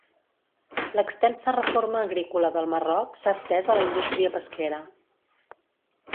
L'extensa reforma agrícola del Marroc s'ha estès a la indústria pesquera.